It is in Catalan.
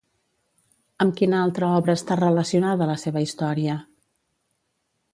Amb quina altra obra està relacionada la seva història?